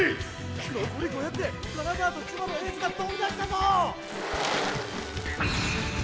残り５００で神奈川と千葉のエースがとびだしたぞ！